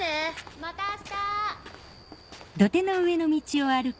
また明日！